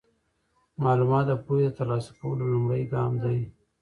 معلومات د پوهې د ترلاسه کولو لومړی ګام دی.